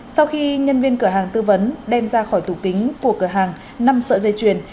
sau khi nhân viên cửa hàng tư vấn đem ra khỏi tủ kính của cửa hàng năm sợi dây chuyền